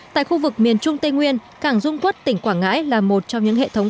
tại khu vực miền trung tây nguyên cảng dung quốc tỉnh quảng ngãi là một trong những hệ thống